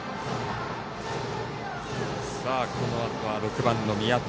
このあとは６番の宮田。